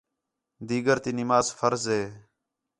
دِیگر تی نماز فرض ہِے